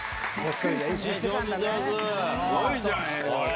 すごいじゃん！